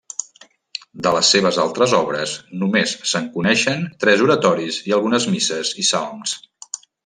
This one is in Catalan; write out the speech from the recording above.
De les seves altres obres només se’n coneixen tres oratoris i algunes misses i salms.